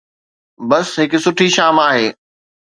بس هڪ سٺي شام آهي.